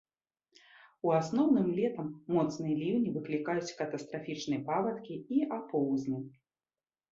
У асноўным летам моцныя ліўні выклікаюць катастрафічныя паводкі і апоўзні.